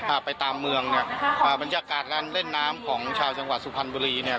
อ่าไปตามเมืองเนี้ยอ่าบรรยากาศร้านเล่นน้ำของชาวจังหวัดสุพรรณบุรีเนี้ย